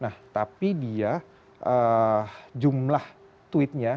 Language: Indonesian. nah tapi dia jumlah tweetnya